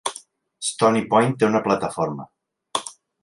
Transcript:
Stony Point té una plataforma.